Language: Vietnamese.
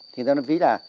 thì ra nó ví là